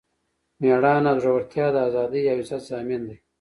میړانه او زړورتیا د ازادۍ او عزت ضامن دی.